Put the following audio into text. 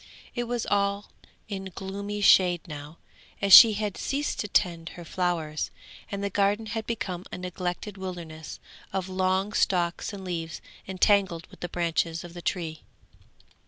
It was all in gloomy shade now, as she had ceased to tend her flowers, and the garden had become a neglected wilderness of long stalks and leaves entangled with the branches of the tree.